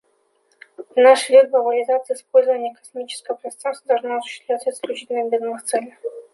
В наш век глобализации использование космического пространства должно осуществляться исключительно в мирных целях.